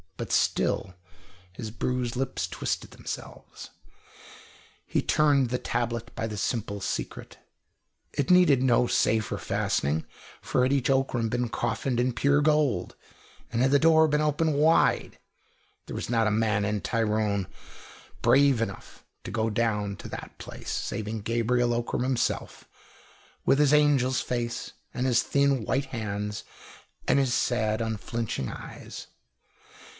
But still his bruised lips twisted themselves. He turned the tablet by the simple secret. It needed no safer fastening, for had each Ockram been coffined in pure gold, and had the door been open wide, there was not a man in Tyrone brave enough to go down to that place, saving Gabriel Ockram himself, with his angel's face and his thin, white hands, and his sad unflinching eyes.